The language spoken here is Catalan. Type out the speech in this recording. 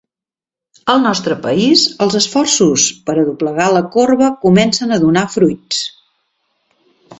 Al nostre país, els esforços per a doblegar la corba comencen a donar fruits.